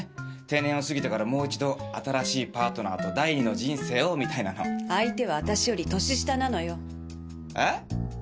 定年を過ぎてからもう一度新しいパートナーと第二の人生をみたいなの相手は私より年下なのよえっ